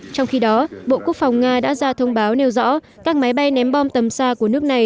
trong khi đó bộ quốc phòng nga đã ra thông báo nêu rõ các máy bay ném bom tầm xa của nước này